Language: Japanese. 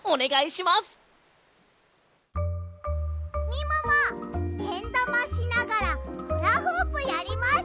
みももけんだましながらフラフープやります。